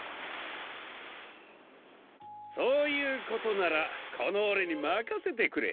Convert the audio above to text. そういうことならこのオレにまかせてくれ！